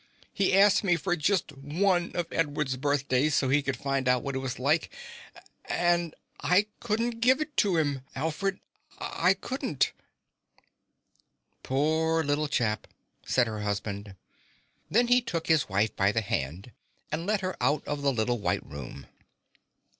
"He asked for just one of Edward's birthdays so he could find out what it was like. And I couldn't give it to him, Alfred! I couldn't!" "Poor little chap," said her husband. Then he took his wife by the hand and led her out of the little white room.